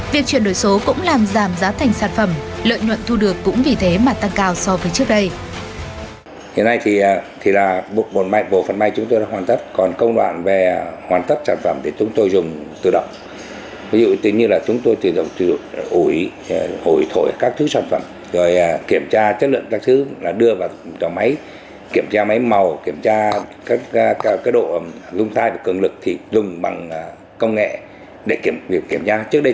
việc chuyển đổi số cũng làm giảm giá thành sản phẩm lợi nhuận thu được cũng vì thế mà tăng cao so với trước đây